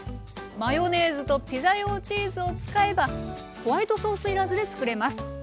マヨネーズとピザ用チーズを使えばホワイトソースいらずでつくれます。